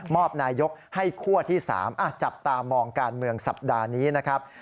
อบนายกให้คั่วที่๓จับตามองการเมืองสัปดาห์นี้นะครับ